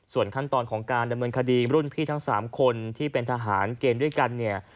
ส่วนขั้นตอนของการดำเนินคดีรุ่นพี่ทั้ง๓คนที่เป็นทหารเกณฑ์ด้วยกันเนี่ย